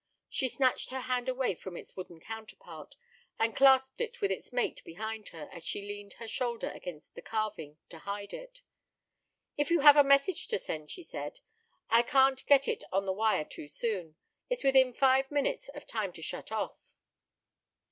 She snatched her hand away from its wooden counterpart, and clasped it with its mate behind her, as she leaned her shoulder against the carving to hide it. "If you have a message to send," she said, "I can't get it on the wire too soon. It's within five minutes of time to shut off."